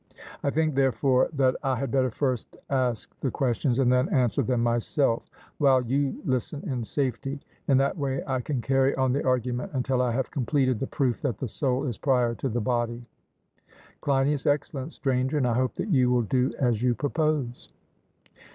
I think therefore that I had better first ask the questions and then answer them myself while you listen in safety; in that way I can carry on the argument until I have completed the proof that the soul is prior to the body. CLEINIAS: Excellent, Stranger, and I hope that you will do as you propose.